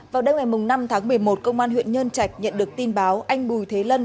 vào đêm ngày năm tháng một mươi một công an huyện nhân chạch nhận được tin báo anh bùi thế lân